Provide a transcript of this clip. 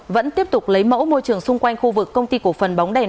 vẫn tiếp tục lấy mẫu môi trường xung quanh khu vực công ty cổ phần bóng đèn